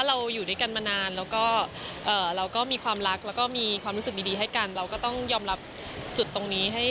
เราก็ต้องยอมรับจุดตรงนี้